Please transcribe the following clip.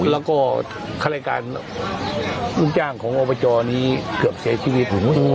แล้วก็ใครรการลุกจ้างของอัลประจ๋อนี้เกือบเสียชีวิต